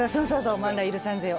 「おまんら許さんぜよ」